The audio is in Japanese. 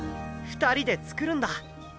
２人で作るんだ。